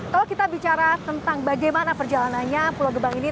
kalau kita bicara tentang bagaimana perjalanannya pulau gebang ini